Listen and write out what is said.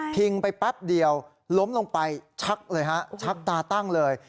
ไปแป๊บเดียวล้มลงไปชักเลยฮะชักตาตั้งเลย